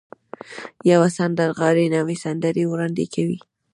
يوه سندرغاړې نوې سندرې وړاندې کوي.